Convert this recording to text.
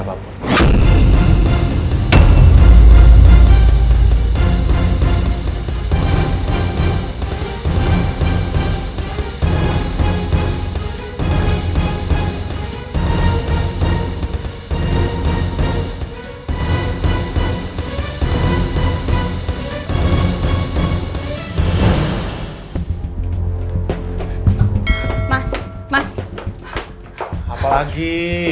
mas ini udah selesai